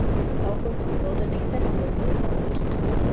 August wurde die Festung geräumt.